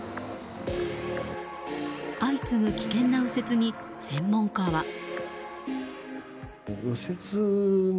相次ぐ危険な右折に、専門家は。